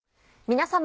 皆様。